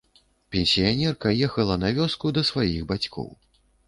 Пенсіянерка ехала на вёску да сваіх бацькоў.